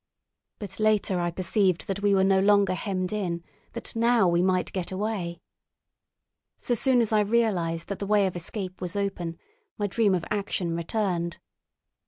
But later I perceived that we were no longer hemmed in, that now we might get away. So soon as I realised that the way of escape was open, my dream of action returned.